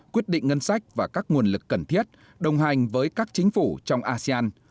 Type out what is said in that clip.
quyết định ngân sách và các nguồn lực cần thiết đồng hành với các chính phủ trong asean